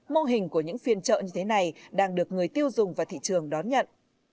mô hình của những phiên trợ như thế này đang được người tiêu dùng và thị trường đón nhận